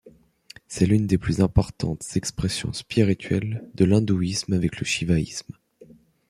C'est l'une des plus importantes expressions spirituelles de l'hindouisme avec le shivaïsme.